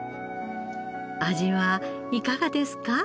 味はいかがですか？